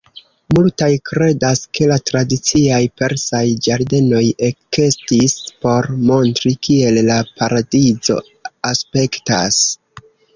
Multaj kredas ke la tradiciaj persaj ĝardenoj ekestis por montri kiel la paradizo aspektas.